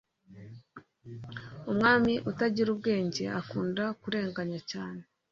umwami utagira ubwenge akunda kurenganya cyane